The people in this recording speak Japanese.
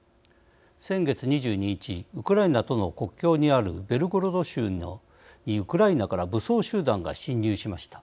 先月２２日ウクライナとの国境にあるベルゴロド州にウクライナから武装集団が侵入しました。